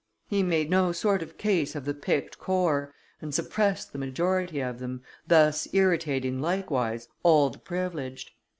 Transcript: He made no sort of case of the picked corps and suppressed the majority of them, thus irritating, likewise, all the privileged.